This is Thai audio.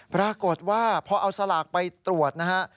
ปรากฏว่าพอเอาสลากไปตรวจนะฮะ